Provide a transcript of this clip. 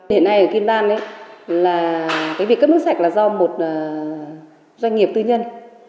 hiện nay ở kim lan việc cấp nước sạch là do một doanh nghiệp tư nhân